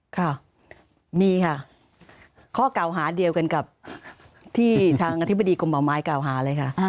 ค่ะมีค่ะข้อกล่าวหาเดียวกันกับที่ทางอธิบดีกรมป่าไม้กล่าวหาเลยค่ะ